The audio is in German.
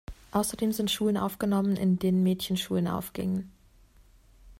Außerdem sind Schulen aufgenommen, in denen Mädchenschulen aufgingen.